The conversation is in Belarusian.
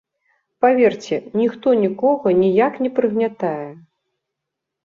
Паверце, ніхто нікога ніяк не прыгнятае.